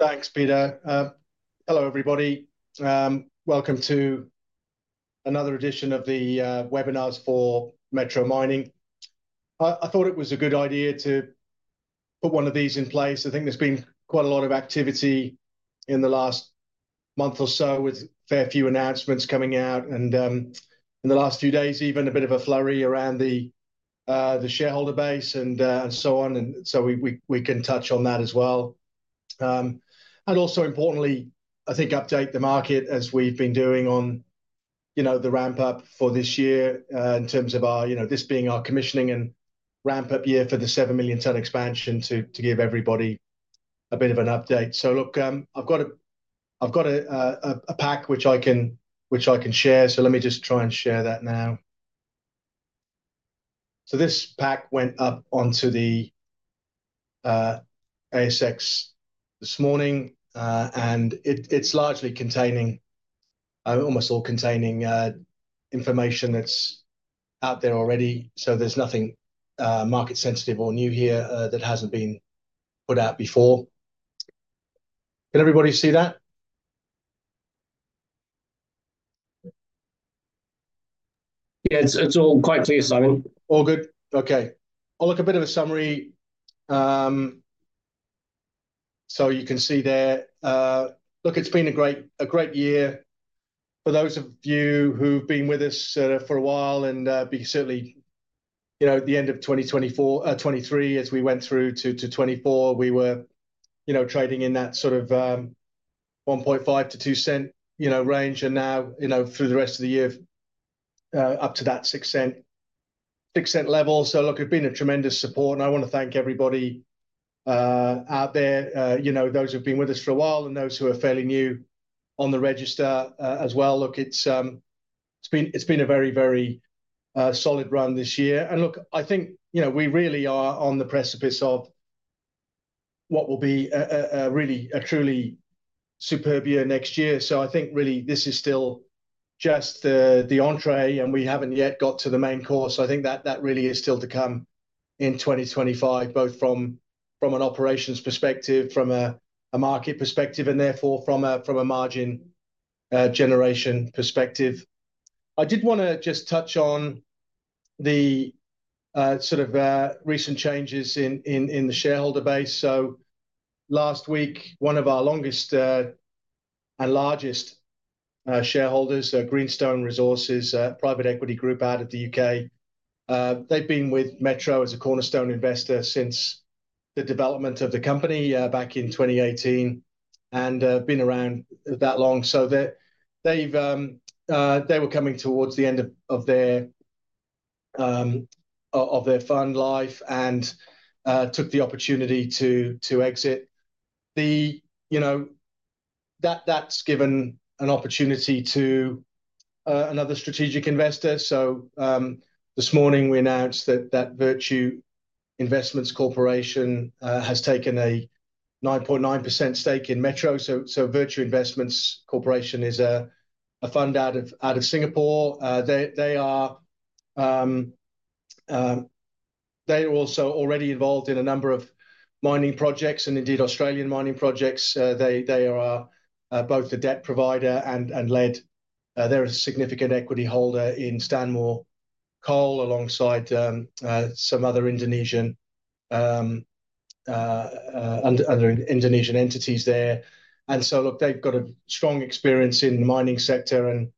Thanks, Peter. Hello, everybody. Welcome to another edition of the webinar for Metro Mining. I thought it was a good idea to put one of these in place. I think there's been quite a lot of activity in the last month or so, with a fair few announcements coming out, and in the last few days, even a bit of a flurry around the shareholder base and so on. And so we can touch on that as well and also, importantly, I think update the market as we've been doing on, you know, the ramp up for this year, in terms of our, you know, this being our commissioning and ramp up year for the 7 million ton expansion to give everybody a bit of an update. Look, I've got a pack which I can share. Let me just try and share that now. This pack went up onto the ASX this morning, and it's largely containing almost all information that's out there already. There's nothing market sensitive or new here that hasn't been put out before. Can everybody see that? Yeah, it's, it's all quite clear, Simon. All good. Okay. I'll give a bit of a summary. So you can see there, look, it's been a great, a great year for those of you who've been with us for a while. We certainly, you know, at the end of 2024, 2023, as we went through to 2024, we were, you know, trading in that sort of 1.5-2 cent, you know, range. And now, you know, through the rest of the year, up to that 6 cent, 6 cent level. Look, it's been a tremendous support. And I wanna thank everybody out there, you know, those who've been with us for a while and those who are fairly new on the register, as well. Look, it's been a very, very solid run this year. Look, I think, you know, we really are on the precipice of what will be a really a truly superb year next year. I think really this is still just the entree, and we haven't yet got to the main course. I think that really is still to come in 2025, both from an operations perspective, from a market perspective, and therefore from a margin generation perspective. I did wanna just touch on the sort of recent changes in the shareholder base. Last week, one of our longest and largest shareholders, Greenstone Resources, private equity group out of the U.K. They've been with Metro as a cornerstone investor since the development of the company, back in 2018 and been around that long. So they were coming towards the end of their fund life and took the opportunity to exit. You know, that's given an opportunity to another strategic investor. So this morning we announced that Virtue Investments Corporation has taken a 9.9% stake in Metro. So Virtue Investments Corporation is a fund out of Singapore. They are also already involved in a number of mining projects and indeed Australian mining projects. They are both a debt provider and lender. They're a significant equity holder in Stanmore Coal alongside some other Indonesian entities there. And so look, they've got a strong experience in the mining sector and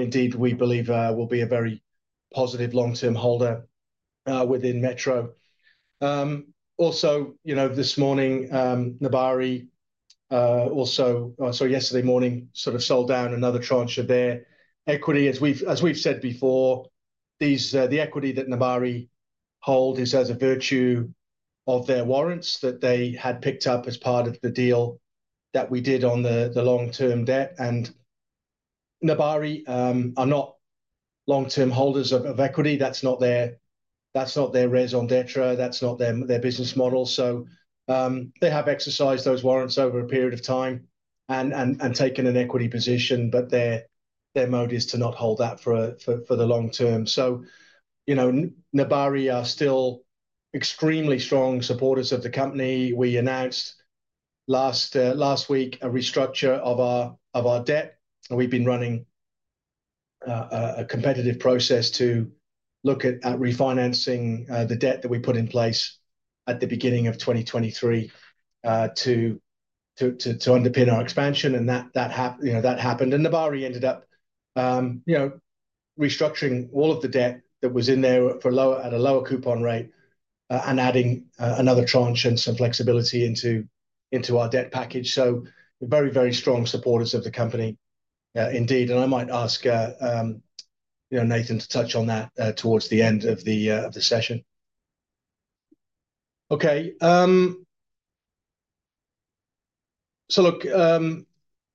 indeed we believe will be a very positive long-term holder within Metro. Also, you know, this morning, Nebari also, so yesterday morning sort of sold down another tranche of their equity. As we've said before, the equity that Nebari hold is by virtue of their warrants that they had picked up as part of the deal that we did on the long-term debt. Nebari are not long-term holders of equity. That's not their raison d'être. That's not their business model. So, they have exercised those warrants over a period of time and taken an equity position, but their mode is to not hold that for the long term. So, you know, Nebari are still extremely strong supporters of the company. We announced last week a restructure of our debt. We've been running a competitive process to look at refinancing the debt that we put in place at the beginning of 2023 to underpin our expansion, and you know, that happened, and Nebari ended up, you know, restructuring all of the debt that was in there at a lower coupon rate, and adding another tranche and some flexibility into our debt package, so very strong supporters of the company, indeed, and I might ask, you know, Nathan to touch on that towards the end of the session. Okay, so look,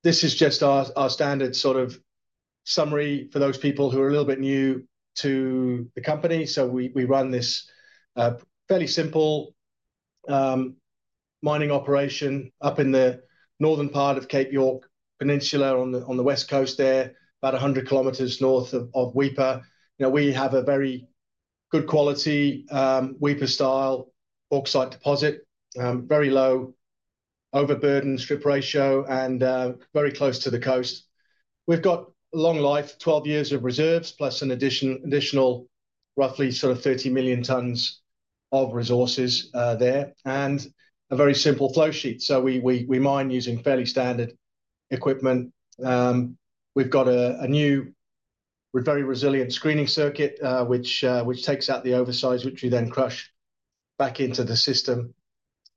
this is just our standard sort of summary for those people who are a little bit new to the company. So we run this fairly simple mining operation up in the northern part of Cape York Peninsula on the west coast there, about a hundred kilometers north of Weipa. You know, we have a very good quality Weipa style ore site deposit, very low overburden strip ratio and very close to the coast. We've got a long life, 12 years of reserves, plus an additional roughly sort of 30 million tons of resources there and a very simple flow sheet. So we mine using fairly standard equipment. We've got a new very resilient screening circuit, which takes out the oversize, which we then crush back into the system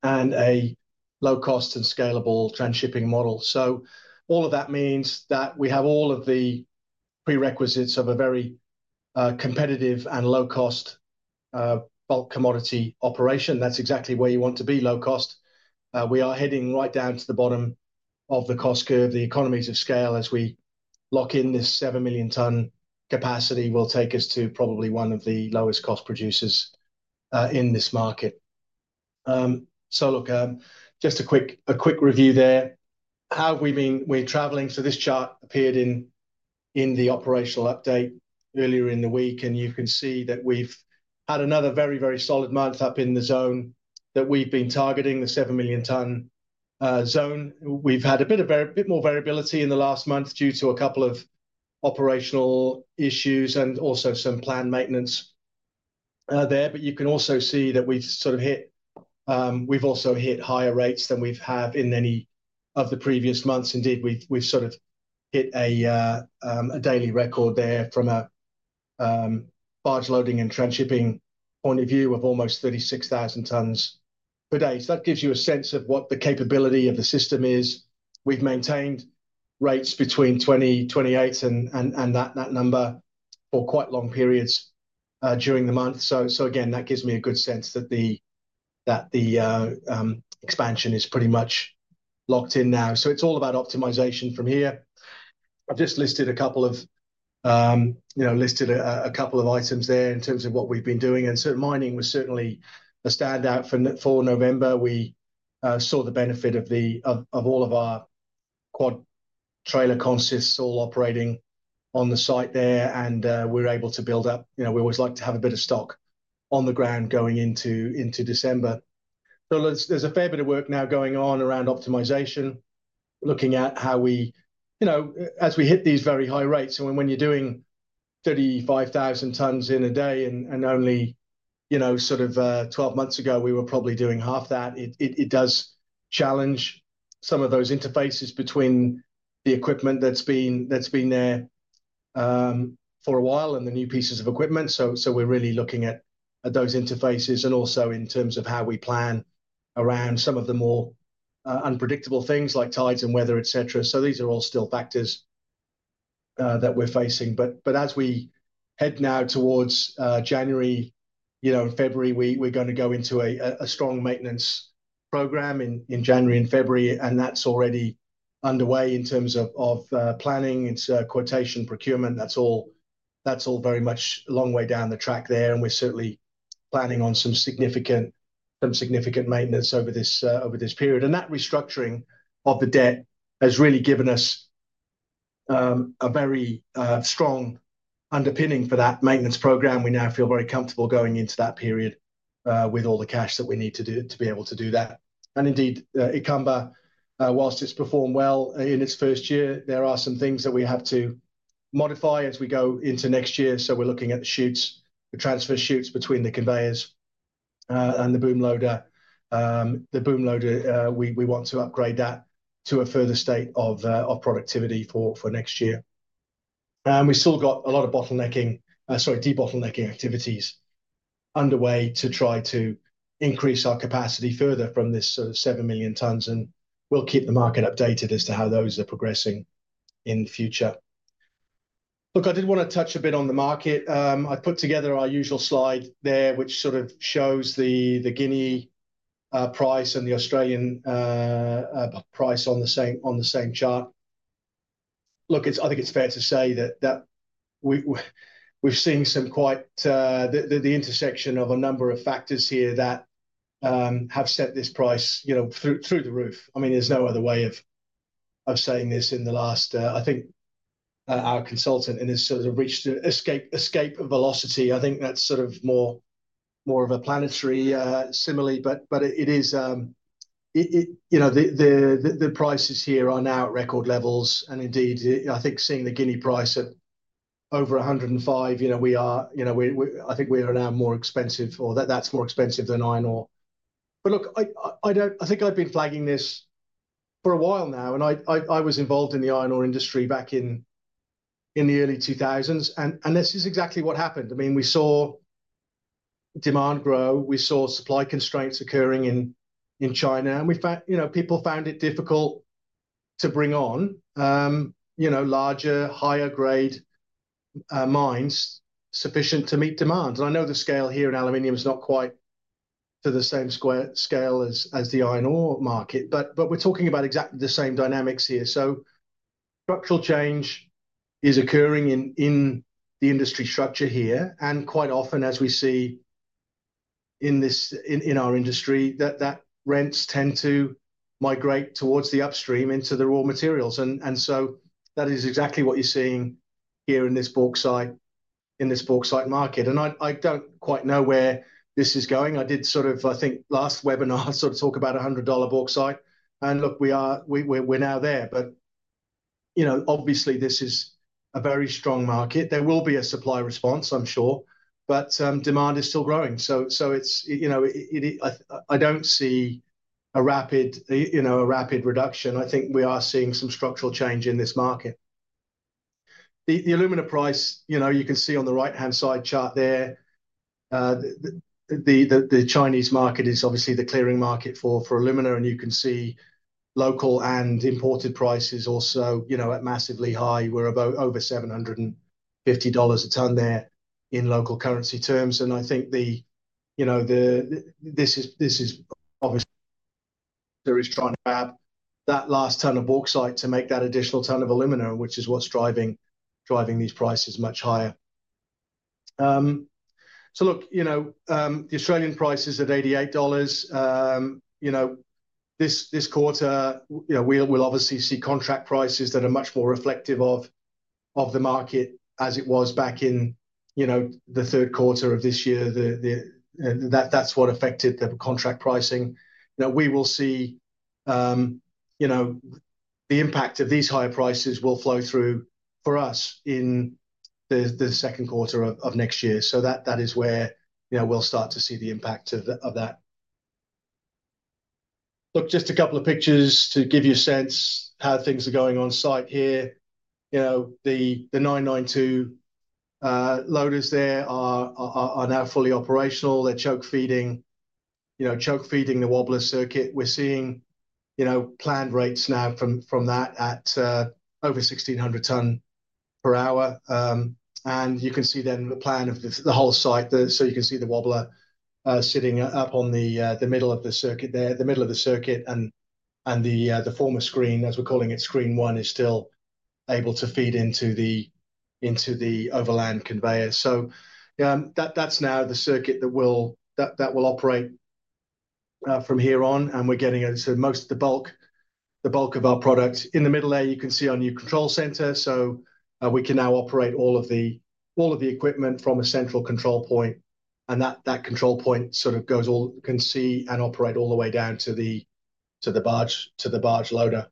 and a low cost and scalable transshipping model. So all of that means that we have all of the prerequisites of a very competitive and low cost bulk commodity operation. That's exactly where you want to be, low cost. We are heading right down to the bottom of the cost curve, the economies of scale. As we lock in this seven million ton capacity, we'll take us to probably one of the lowest cost producers in this market. Look, just a quick review there. How have we been? We are traveling. This chart appeared in the operational update earlier in the week. You can see that we've had another very, very solid month up in the zone that we've been targeting, the seven million ton zone. We've had a bit more variability in the last month due to a couple of operational issues and also some planned maintenance there. But you can also see that we've sort of hit. We've also hit higher rates than we've had in any of the previous months. Indeed, we've sort of hit a daily record there from a barge loading and transshipping point of view of almost 36,000 tons per day. So that gives you a sense of what the capability of the system is. We've maintained rates between 20,000 and that number for quite long periods during the month. So again, that gives me a good sense that the expansion is pretty much locked in now. So it's all about optimization from here. I've just listed a couple of, you know, items there in terms of what we've been doing. And so mining was certainly a standout for November. We saw the benefit of all of our quad trailer consists all operating on the site there. And we were able to build up, you know, we always like to have a bit of stock on the ground going into December. So there's a fair bit of work now going on around optimization, looking at how we, you know, as we hit these very high rates. And when you're doing 35,000 tons in a day and only, you know, sort of, 12 months ago, we were probably doing half that. It does challenge some of those interfaces between the equipment that's been there for a while and the new pieces of equipment. We're really looking at those interfaces and also in terms of how we plan around some of the more unpredictable things like tides and weather, et cetera. These are all still factors that we're facing. As we head now towards January, you know, February, we are gonna go into a strong maintenance program in January and February. That's already underway in terms of planning. It's a quotation procurement. That's all very much a long way down the track there. We're certainly planning on some significant maintenance over this period. That restructuring of the debt has really given us a very strong underpinning for that maintenance program. We now feel very comfortable going into that period with all the cash that we need to be able to do that. Indeed, Ikamba, while it's performed well in its first year, there are some things that we have to modify as we go into next year. We're looking at the chutes, the transfer chutes between the conveyors, and the boom loader. The boom loader, we want to upgrade that to a further state of productivity for next year. We've still got a lot of bottlenecking, sorry, de-bottlenecking activities underway to try to increase our capacity further from this sort of 7 million tons. We'll keep the market updated as to how those are progressing in the future. Look, I did wanna touch a bit on the market. I put together our usual slide there, which sort of shows the Guinea price and the Australian price on the same chart. Look, it's fair to say that we've seen quite the intersection of a number of factors here that have set this price, you know, through the roof. I mean, there's no other way of saying this. In the last, I think our consultant in this sort of reached escape velocity. I think that's sort of more of a planetary simile. But it, you know, the prices here are now at record levels. And indeed, I think seeing the Guinea price at over 105, you know, we are, you know, I think we are now more expensive or that's more expensive than iron ore. But look, I think I've been flagging this for a while now. I was involved in the iron ore industry back in the early two thousands. This is exactly what happened. I mean, we saw demand grow, we saw supply constraints occurring in China. We found, you know, people found it difficult to bring on, you know, larger, higher grade mines sufficient to meet demands. I know the scale here in aluminum is not quite to the same square scale as the iron ore market, but we're talking about exactly the same dynamics here. Structural change is occurring in the industry structure here. Quite often, as we see in this, in our industry, rents tend to migrate towards the upstream into the raw materials. So that is exactly what you're seeing here in this bauxite market. I don't quite know where this is going. I did sort of, I think last webinar sort of talk about a $100 Capesize. Look, we're now there. But you know, obviously this is a very strong market. There will be a supply response, I'm sure, but demand is still growing. It's, you know, I don't see a rapid, you know, a rapid reduction. I think we are seeing some structural change in this market. The alumina price, you know, you can see on the right-hand-side chart there. The Chinese market is obviously the clearing market for alumina. You can see local and imported prices also, you know, at massively high. We're about over $750 a ton there in local currency terms. I think, you know, this is obviously there is trying to have that last ton of bauxite to make that additional ton of alumina, which is what's driving these prices much higher. Look, you know, the Australian price is at $88. You know, this quarter, you know, we'll obviously see contract prices that are much more reflective of the market as it was back in, you know, the third quarter of this year. That, that's what affected the contract pricing. Now we will see, you know, the impact of these higher prices will flow through for us in the second quarter of next year. That is where, you know, we'll start to see the impact of that. Look, just a couple of pictures to give you a sense how things are going on site here. You know, the 992 loaders there are now fully operational. They're choke feeding, you know, choke feeding the wobbler circuit. We're seeing, you know, planned rates now from that at over 1,600 ton per hour. And you can see then the plan of the whole site there. So you can see the wobbler, sitting up on the middle of the circuit there, the middle of the circuit and the former screen, as we're calling it, screen one is still able to feed into the overland conveyor. So, that's now the circuit that will operate from here on. And we're getting into most of the bulk of our product in the middle there. You can see our new control center. So, we can now operate all of the equipment from a central control point. And that control point sort of goes all, can see and operate all the way down to the barge loader.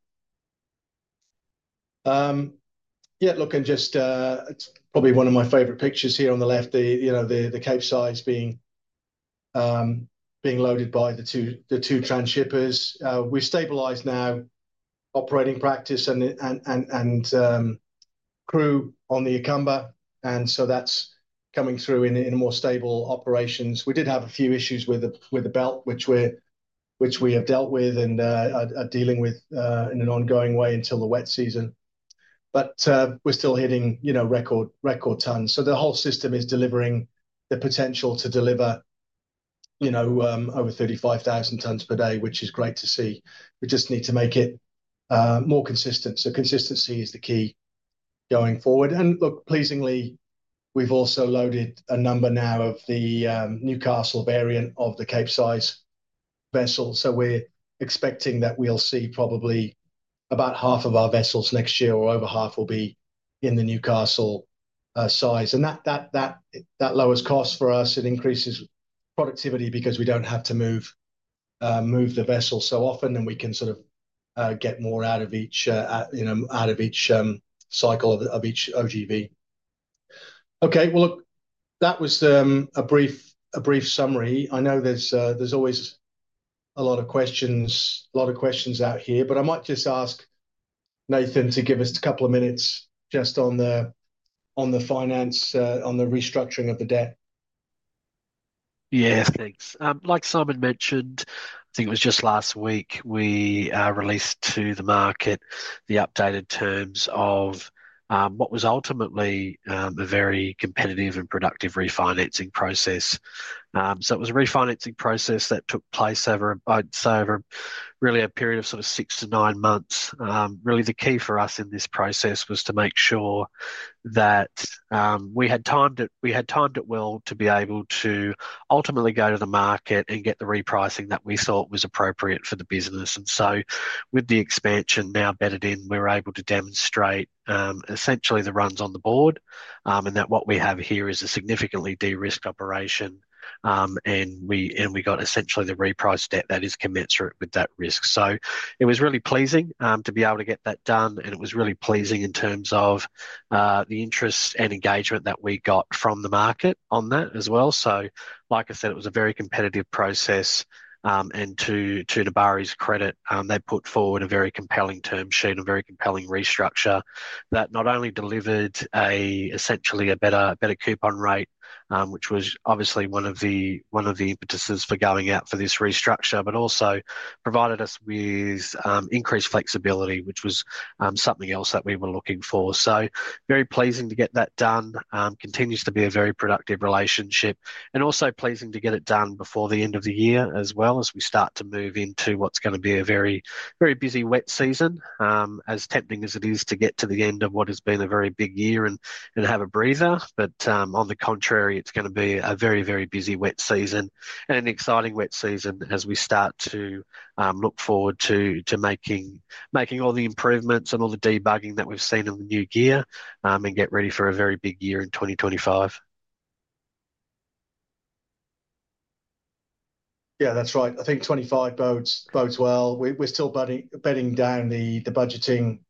Yeah, look, and just, it's probably one of my favorite pictures here on the left, you know, the Capesize being loaded by the two transshippers. We stabilized now operating practice and crew on the Ikamba. And so that's coming through in more stable operations. We did have a few issues with the belt, which we have dealt with and are dealing with in an ongoing way until the wet season. But, we're still hitting, you know, record tons. So the whole system is delivering the potential to deliver, you know, over 35,000 tons per day, which is great to see. We just need to make it more consistent. So consistency is the key going forward. And look, pleasingly, we've also loaded a number now of the Newcastle variant of the Capesize vessel. So we are expecting that we'll see probably about half of our vessels next year or over half will be in the Newcastle size. And that lowers costs for us. It increases productivity because we don't have to move the vessel so often. And we can sort of get more out of each, you know, out of each cycle of each OGV. Okay. Well, look, that was a brief summary. I know there's always a lot of questions out here, but I might just ask Nathan to give us a couple of minutes just on the finance, on the restructuring of the debt. Yes, thanks. Like Simon mentioned, I think it was just last week we released to the market the updated terms of what was ultimately a very competitive and productive refinancing process. So it was a refinancing process that took place over really a period of sort of six to nine months. Really the key for us in this process was to make sure that we had timed it well to be able to ultimately go to the market and get the repricing that we thought was appropriate for the business. And so with the expansion now bedded in, we were able to demonstrate essentially the runs on the board, and that what we have here is a significantly de-risked operation. And we got essentially the repriced debt that is commensurate with that risk. So it was really pleasing to be able to get that done. And it was really pleasing in terms of the interest and engagement that we got from the market on that as well. So like I said, it was a very competitive process. And to Nebari's credit, they put forward a very compelling term sheet and very compelling restructure that not only delivered essentially a better coupon rate, which was obviously one of the impetuses for going out for this restructure, but also provided us with increased flexibility, which was something else that we were looking for. So very pleasing to get that done. Continues to be a very productive relationship and also pleasing to get it done before the end of the year as well as we start to move into what's gonna be a very, very busy wet season. As tempting as it is to get to the end of what has been a very big year and have a breather. But on the contrary, it's gonna be a very, very busy wet season and an exciting wet season as we start to look forward to making all the improvements and all the debugging that we've seen in the new gear, and get ready for a very big year in 2025. Yeah, that's right. I think 25 boats well. We're still bedding down the budgeting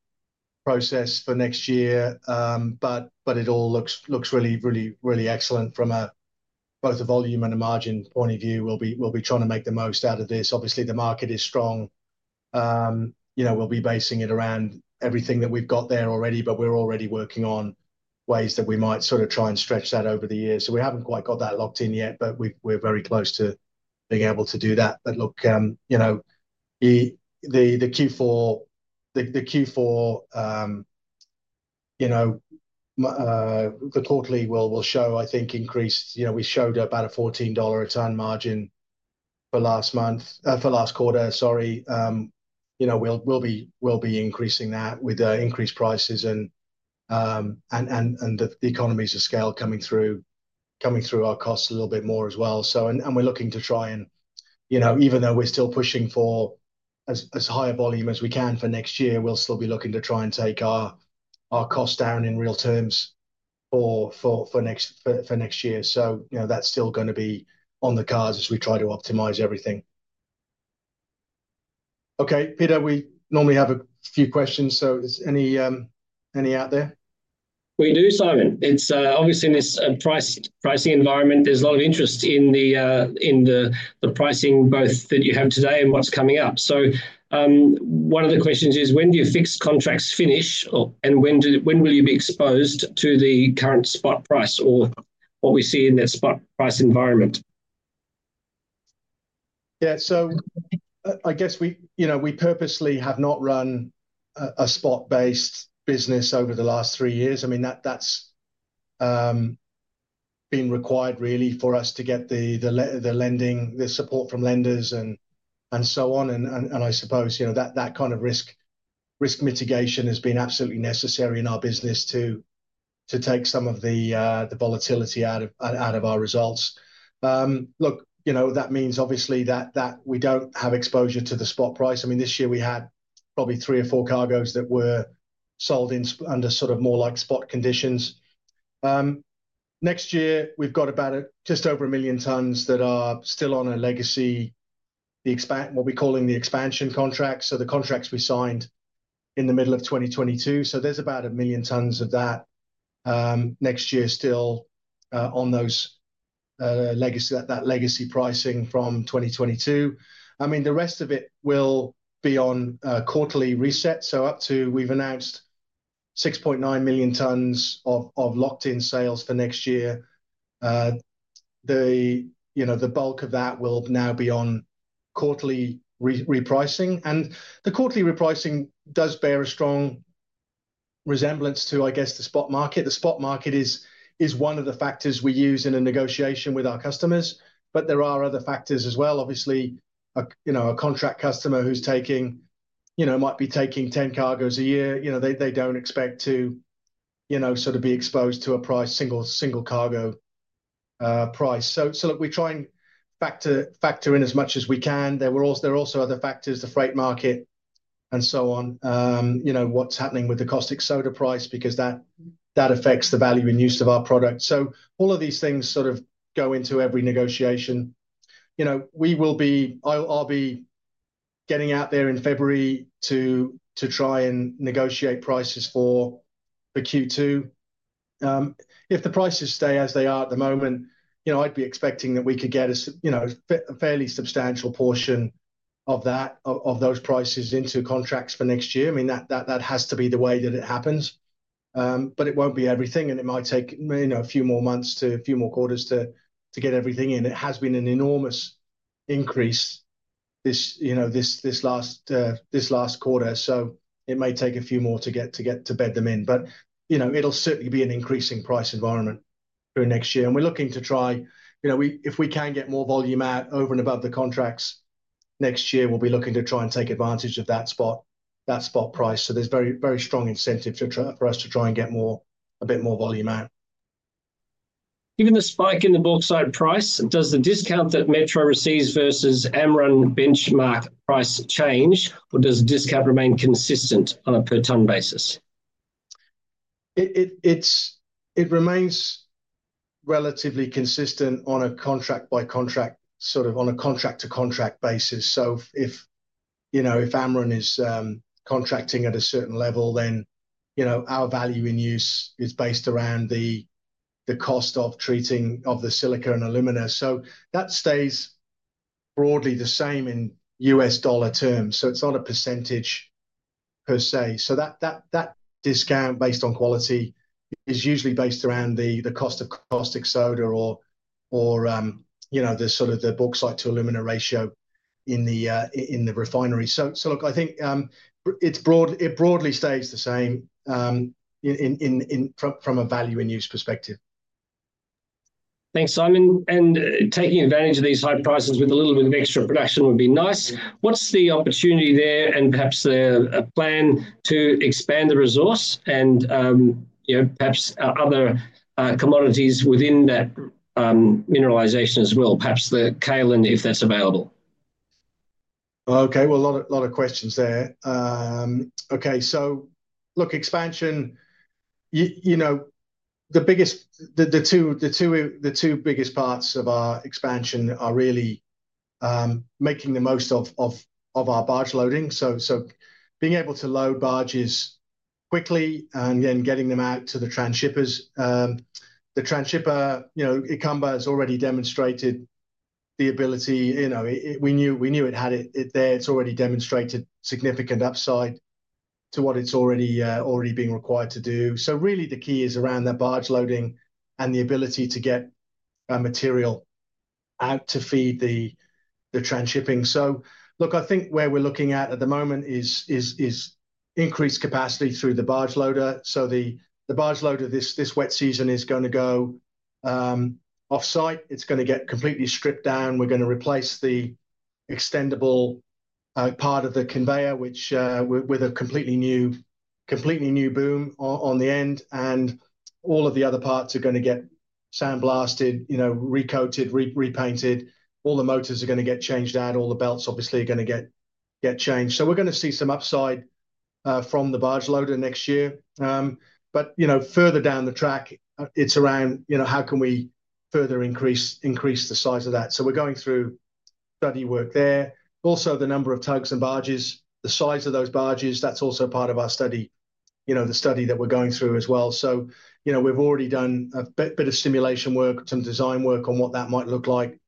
process for next year. But it all looks really excellent from both a volume and a margin point of view. We'll be trying to make the most out of this. Obviously the market is strong. You know, we'll be basing it around everything that we've got there already, but we're already working on ways that we might sort of try and stretch that over the year. So we haven't quite got that locked in yet, but we are very close to being able to do that. But look, you know, the Q4 quarterly will show, I think, increased, you know. We showed about a $14-a-ton margin for last quarter. Sorry. You know, we'll be increasing that with increased prices and the economies of scale coming through our costs a little bit more as well. So, we're looking to try and, you know, even though we're still pushing for as high a volume as we can for next year, we'll still be looking to try and take our cost down in real terms for next year. So, you know, that's still gonna be on the cards as we try to optimize everything. Okay, Peter, we normally have a few questions. So is any out there? We do, Simon. It's obviously in this pricing environment, there's a lot of interest in the pricing both that you have today and what's coming up. One of the questions is, when do your fixed contracts finish or, and when will you be exposed to the current spot price or what we see in that spot price environment? Yeah. I guess we, you know, we purposely have not run a spot-based business over the last three years. I mean, that's been required really for us to get the lending, the support from lenders and I suppose, you know, that kind of risk mitigation has been absolutely necessary in our business to take some of the volatility out of our results. Look, you know, that means obviously that we don't have exposure to the spot price. I mean, this year we had probably three or four cargoes that were sold under sort of more like spot conditions. Next year we've got about just over a million tons that are still on a legacy, the expansion, what we call in the expansion contract. So the contracts we signed in the middle of 2022. So there's about a million tons of that next year still on those legacy that legacy pricing from 2022. I mean, the rest of it will be on quarterly reset. So up to we've announced 6.9 million tons of locked in sales for next year. You know, the bulk of that will now be on quarterly repricing. The quarterly repricing does bear a strong resemblance to, I guess, the spot market. The spot market is one of the factors we use in a negotiation with our customers, but there are other factors as well. Obviously, you know, a contract customer who's taking, you know, might be taking 10 cargoes a year, you know, they don't expect to, you know, sort of be exposed to a single cargo price. So look, we're trying to factor in as much as we can. There are also other factors, the freight market and so on. You know, what's happening with the caustic soda price because that affects the value in use of our product. So all of these things sort of go into every negotiation. You know, I'll be getting out there in February to try and negotiate prices for the Q2. If the prices stay as they are at the moment, you know, I'd be expecting that we could get a, you know, a fairly substantial portion of that, of those prices into contracts for next year. I mean, that has to be the way that it happens. But it won't be everything and it might take, you know, a few more months to a few more quarters to get everything in. It has been an enormous increase this, you know, this last quarter. So it may take a few more to get to bed them in. But, you know, it'll certainly be an increasing price environment through next year. We're looking to try, you know, if we can get more volume out over and above the contracts next year, we'll be looking to try and take advantage of that spot, that spot price. So there's very, very strong incentive for us to try and get more, a bit more volume out. Given the spike in the bauxite price, does the discount that Metro receives versus Amrun benchmark price change, or does the discount remain consistent on a per ton basis? It remains relatively consistent on a contract by contract, sort of on a contract to contract basis. So if you know, if Amrun is contracting at a certain level, then, you know, our value in use is based around the cost of treating of the silica and alumina. So that stays broadly the same in U.S. dollar terms. So it's not a % per se. That discount based on quality is usually based around the cost of caustic soda or, you know, the sort of the bauxite to alumina ratio in the refinery. So look, I think it broadly stays the same from a value in use perspective. Thanks, Simon. Taking advantage of these high prices with a little bit of extra production would be nice. What's the opportunity there and perhaps the plan to expand the resource and, you know, perhaps other commodities within that mineralization as well, perhaps the kaolin, if that's available. Okay. A lot of questions there. Okay. So look, expansion, you know, the two biggest parts of our expansion are really making the most of our barge loading. So being able to load barges quickly and then getting them out to the transshippers. The transshipper, you know, Ikamba has already demonstrated the ability, you know, we knew it had it there. It's already demonstrated significant upside to what it's already being required to do. So really the key is around that barge loading and the ability to get a material out to feed the transshipping. So look, I think where we're looking at the moment is increased capacity through the barge loader. So the barge loader, this wet season is gonna go offsite. It's gonna get completely stripped down. We're gonna replace the extendable part of the conveyor with a completely new boom on the end. And all of the other parts are gonna get sandblasted, you know, recoated, repainted. All the motors are gonna get changed out. All the belts obviously are gonna get changed. So we're gonna see some upside from the barge loader next year. But you know, further down the track, it's around, you know, how can we further increase the size of that? So we're going through study work there. Also, the number of tugs and barges, the size of those barges, that's also part of our study, you know, the study that we're going through as well. So, you know, we've already done a bit of simulation work, some design work on what that might look like.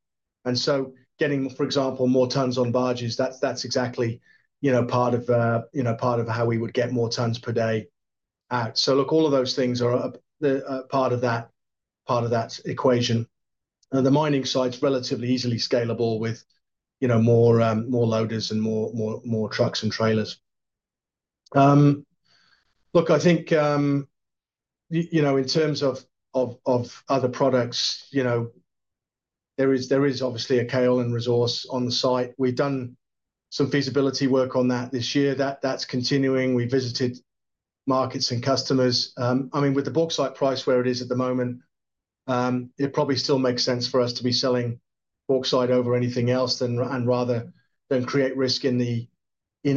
Getting, for example, more tons on barges, that's exactly, you know, part of how we would get more tons per day out. Look, all of those things are a part of that equation. The mining site's relatively easily scalable with, you know, more loaders and more trucks and trailers. Look, I think, you know, in terms of other products, you know, there is obviously a Kaolin resource on the site. We've done some feasibility work on that this year that's continuing. We visited markets and customers. I mean, with the bauxite price where it is at the moment, it probably still makes sense for us to be selling bauxite over anything else than, and rather than create risk in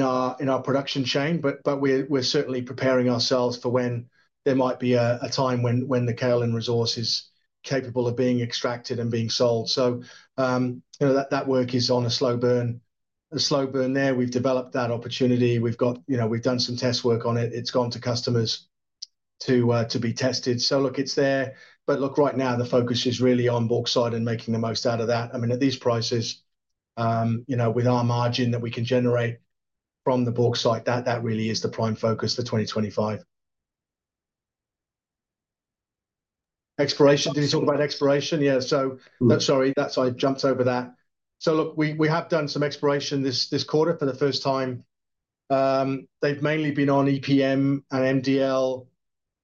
our production chain. But we are certainly preparing ourselves for when there might be a time when the Kaolin resource is capable of being extracted and being sold. So, you know, that work is on a slow burn there. We've developed that opportunity. We've got, you know, we've done some test work on it. It's gone to customers to be tested. So look, it's there, but look, right now the focus is really on bauxite and making the most out of that. I mean, at these prices, you know, with our margin that we can generate from the bauxite, that really is the prime focus for 2025. Exploration. Did you talk about exploration? Yeah. So that, sorry, that's. I jumped over that. So look, we have done some exploration this quarter for the first time. They've mainly been on EPM and MDL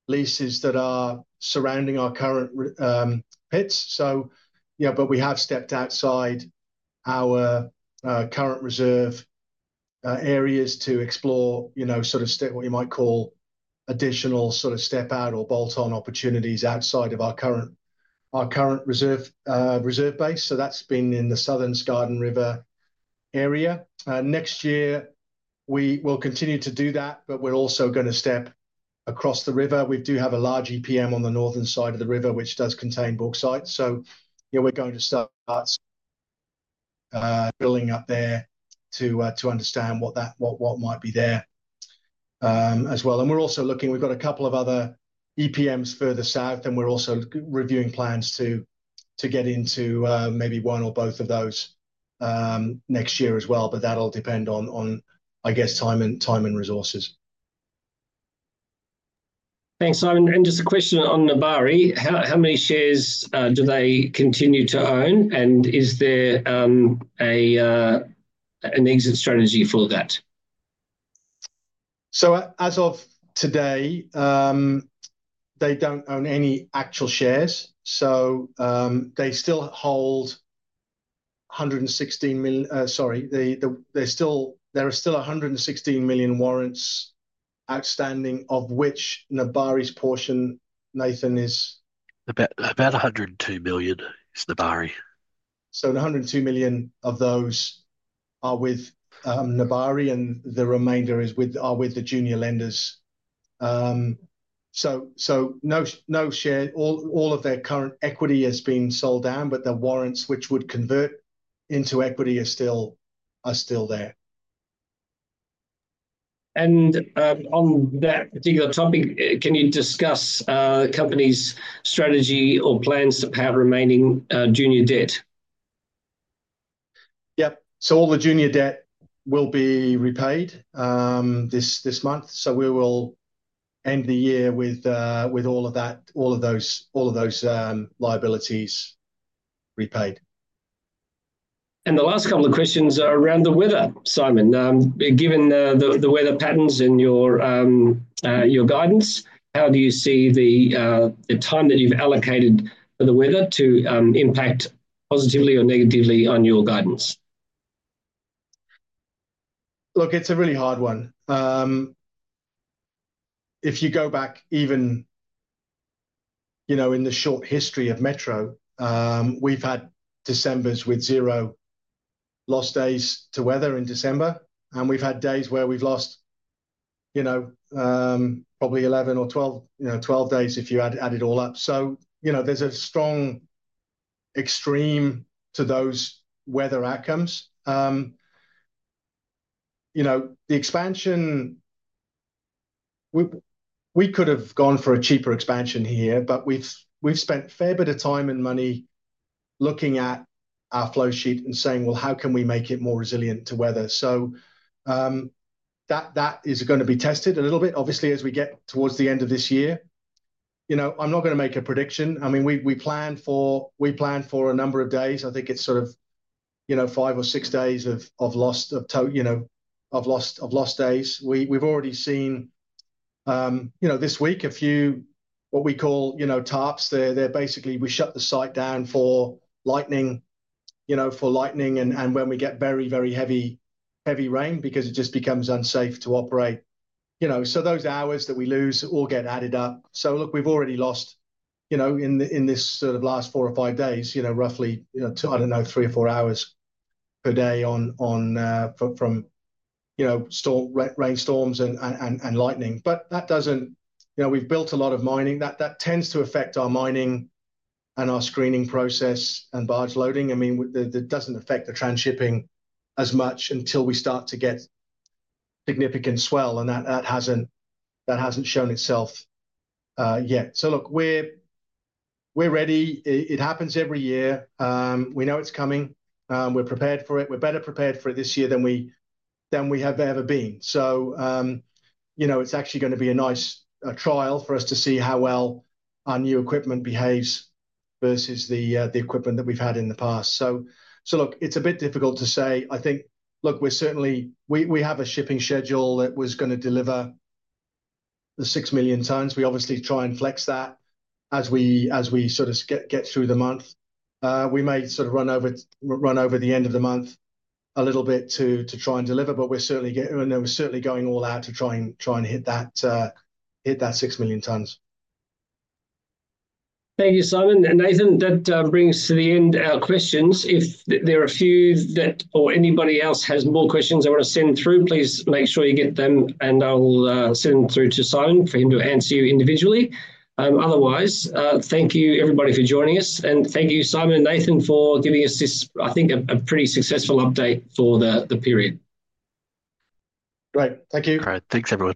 leases that are surrounding our current pits. So, you know, but we have stepped outside our current reserve areas to explore, you know, sort of what you might call additional sort of step out or bolt on opportunities outside of our current reserve base. So that's been in the Southern Garden River area. Next year we will continue to do that, but we're also gonna step across the river. We do have a large EPM on the northern side of the river, which does contain bauxite sites. So, you know, we're going to start building up there to understand what that might be there, as well. We're also looking. We've got a couple of other EPMs further south, and we're also reviewing plans to get into maybe one or both of those next year as well. That'll depend on I guess time and resources. Thanks, Simon. Just a question on Nebari. How many shares do they continue to own? And is there an exit strategy for that? As of today, they don't own any actual shares. So they still hold 116 million. Sorry, they're still. There are still 116 million warrants outstanding, of which Nebari's portion, Nathan is. About 102 million is Nebari. So 102 million of those are with Nebari and the remainder is with are with the junior lenders. So no share. All of their current equity has been sold down, but the warrants, which would convert into equity, are still there. And on that particular topic, can you discuss the company's strategy or plans to repay remaining junior debt? Yep. So all the junior debt will be repaid this month. So we will end the year with all of those liabilities repaid. And the last couple of questions are around the weather, Simon. Given the weather patterns in your guidance, how do you see the time that you've allocated for the weather to impact positively or negatively on your guidance? Look, it's a really hard one. If you go back, even, you know, in the short history of Metro, we've had Decembers with zero lost days to weather in December, and we've had days where we've lost, you know, probably 11 or 12, you know, 12 days if you add it all up, so you know, there's a strong extreme to those weather outcomes, you know, the expansion. We could have gone for a cheaper expansion here, but we've spent a fair bit of time and money looking at our flow sheet and saying, well, how can we make it more resilient to weather, so that is gonna be tested a little bit, obviously, as we get towards the end of this year. You know, I'm not gonna make a prediction. I mean, we plan for a number of days. I think it's sort of, you know, five or six days of lost days. We've already seen, you know, this week a few, what we call, you know, TARPs. They're basically, we shut the site down for lightning. And when we get very heavy rain, because it just becomes unsafe to operate, you know, so those hours that we lose all get added up. So look, we've already lost, you know, in this sort of last four or five days, you know, roughly, you know, two, I don't know, three or four hours per day from storm rainstorms and lightning. But that doesn't, you know. We've built a lot of mining that tends to affect our mining and our screening process and barge loading. I mean, it doesn't affect the transshipping as much until we start to get significant swell. And that hasn't shown itself yet. So look, we're ready. It happens every year. We know it's coming. We're prepared for it. We're better prepared for it this year than we have ever been. So, you know, it's actually gonna be a nice trial for us to see how well our new equipment behaves versus the equipment that we've had in the past. So look, it's a bit difficult to say. I think, look, we're certainly. We have a shipping schedule that was gonna deliver the 6 million tons. We obviously try and flex that as we sort of get through the month. We may sort of run over the end of the month a little bit to try and deliver, but we're certainly getting, and then we're certainly going all out to try and hit that 6 million tons. Thank you, Simon. And Nathan, that brings to the end our questions. If there are a few, or anybody else has more questions I wanna send through, please make sure you get them and I'll send them through to Simon for him to answer you individually. Otherwise, thank you everybody for joining us. And thank you, Simon and Nathan, for giving us this, I think, a pretty successful update for the period. Great. Thank you. All right. Thanks everyone.